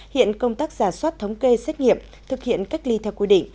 hiện công tác giả soát thống kê xét nghiệm thực hiện cách ly theo quy định